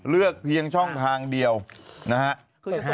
เลือกเพียงช่องทางเดียวนะฮะ